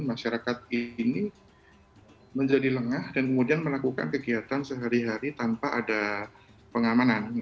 masyarakat ini menjadi lengah dan kemudian melakukan kegiatan sehari hari tanpa ada pengamanan